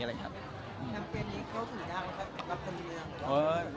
นำเวทนี้เขาถือดังกับคนเมือง